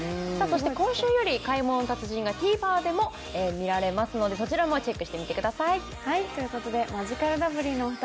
今週より「買い物の達人」がＴＶｅｒでも見られますのでそちらもチェックしてみてください。